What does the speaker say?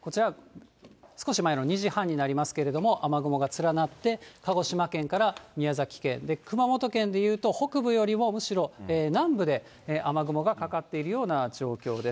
こちら少し前の２時半になりますけれども、雨雲が連なって、鹿児島県から宮崎県で、熊本県でいうと北部よりもむしろ南部で雨雲がかかっているような状況です。